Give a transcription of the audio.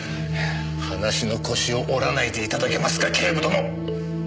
話の腰を折らないで頂けますか警部殿！